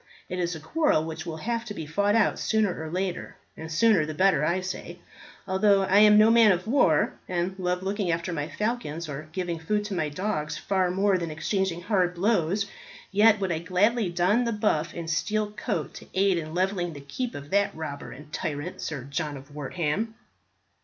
It is a quarrel which will have to be fought out sooner or later, and the sooner the better, say I. Although I am no man of war, and love looking after my falcons or giving food to my dogs far more than exchanging hard blows, yet would I gladly don the buff and steel coat to aid in levelling the keep of that robber and tyrant, Sir John of Wortham."